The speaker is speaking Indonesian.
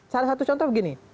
salah satu contoh begini